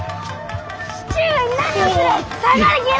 父上に何をする！